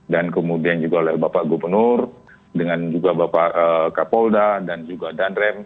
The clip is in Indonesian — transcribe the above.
dan kemudian juga oleh bapak gubernur dengan juga bapak kapolda dan juga danrem